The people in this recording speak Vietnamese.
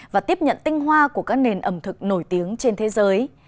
và tiếp nhận tinh hoa của các nền ẩm thực nổi tiếng trên thế giới